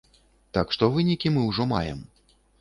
Так што вынікі мы ўжо маем.